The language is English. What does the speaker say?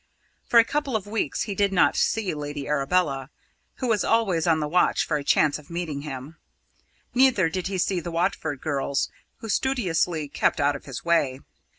For a couple of weeks he did not see Lady Arabella, who was always on the watch for a chance of meeting him; neither did he see the Watford girls, who studiously kept out of his way.